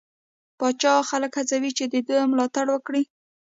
پاچا خلک هڅوي چې دې ده ملاتړ وکړي.